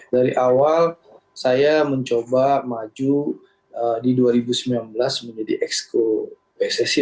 dari awal saya mencoba maju di dua ribu sembilan belas menjadi exco pssi